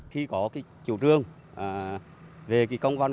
khi có chủ trương về công văn